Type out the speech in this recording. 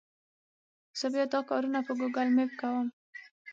زه بیا دا کارونه په ګوګل مېپ کوم.